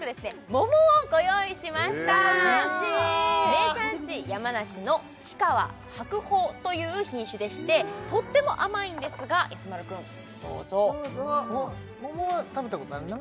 桃をご用意しましたわ嬉しい名産地山梨の日川白鳳という品種でしてとっても甘いんですがやさ丸君どうぞ桃は食べたことあるの？